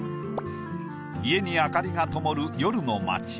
家に明かりがともる夜の街。